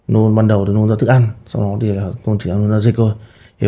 nôn ban đầu thì nôn ra thức ăn sau đó thì là nôn chỉ nôn ra dịch thôi